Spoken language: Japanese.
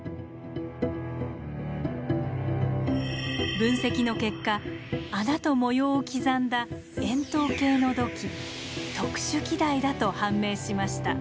分析の結果穴と模様を刻んだ円筒形の土器特殊器台だと判明しました。